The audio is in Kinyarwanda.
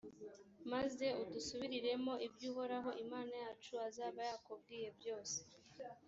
maze udusubiriremo ibyo uhoraho imana yacu azaba yakubwiye byose;